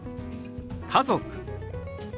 「家族」。